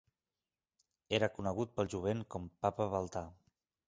Era conegut pel jovent com Papa Baltà.